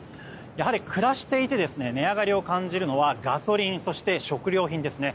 やはり暮らしていて値上がりを感じるのはガソリン、そして食料品ですね。